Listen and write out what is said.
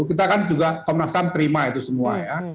kita kan juga komnas ham terima itu semua ya